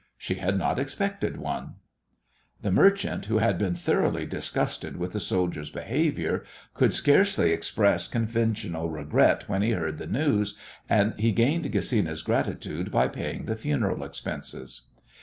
She had not expected one. The merchant, who had been thoroughly disgusted with the soldier's behaviour, could scarcely express conventional regret when he heard the news, and he gained Gesina's gratitude by paying the funeral expenses.